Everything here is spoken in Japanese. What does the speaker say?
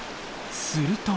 すると。